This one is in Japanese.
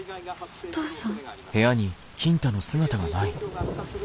お父さん！